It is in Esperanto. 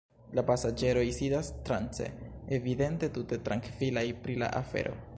La pasaĝeroj sidas trance, evidente tute trankvilaj pri la afero.